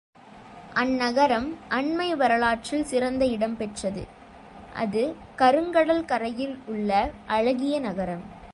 அந்நகரம் அண்மை வரலாற்றில் சிறந்த இடம் பெற்றது, அது கருங்கடல் கரையில் உள்ள அழகிய நகரம்.